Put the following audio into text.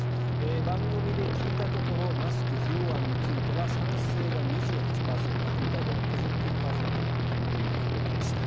番組で聞いたところマスク不要案については賛成が２８％反対が６９％ということでした。